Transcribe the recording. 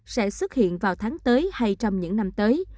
sẽ xuất hiện vào tháng tới hay trong những năm tới